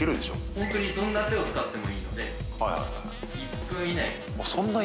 本当にどんな手を使ってもいいので１分以内に。